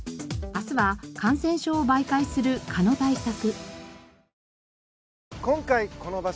明日は感染症を媒介する蚊の対策。